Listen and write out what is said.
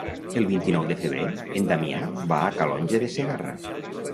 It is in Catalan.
El vint-i-nou de febrer en Damià va a Calonge de Segarra.